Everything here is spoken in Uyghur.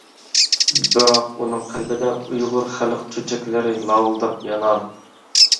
بىراق ئۇنىڭ قەلبىدە ئۇيغۇر خەلق چۆچەكلىرى لاۋۇلداپ يانار.